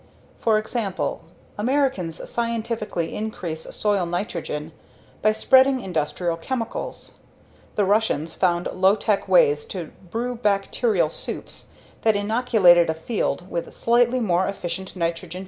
For example, Americans scientifically increase soil nitrogen by spreading industrial chemicals; the Russians found low tech ways to brew bacterial soups that inoculated a field with slightly more efficient nitrogen fixing microorgamsms.